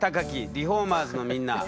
リフォーマーズのみんな。